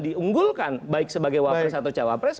diunggulkan baik sebagai wapres atau cawapres